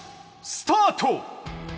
スタート。